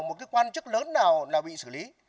một cái quan chức lớn nào là bị xử lý